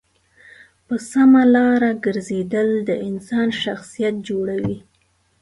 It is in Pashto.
په سمه لاره گرځېدل د انسان شخصیت جوړوي.